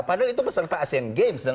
padahal itu peserta asean games